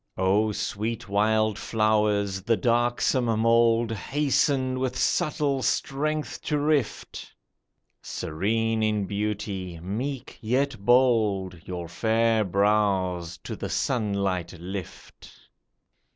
O sweet wild flowers ! the darksome mould Hasten with subtle strength to rift ; Serene in beauty, meek yet bold, Your fair brows to the sunlight lift